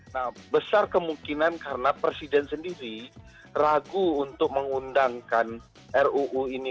nah besar kemungkinan karena presiden sendiri ragu untuk mengundangkan ruu ini